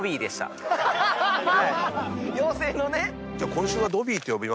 妖精のね！